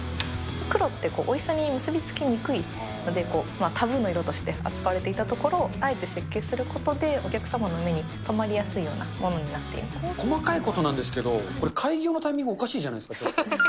黒っておいしさに結び付きにくいので、タブーの色として扱われていたところを、あえて設計することで、お客様の目に留まりやすいようなものにな細かいことなんですけど、これ、改行のタイミングおかしいじゃないですか。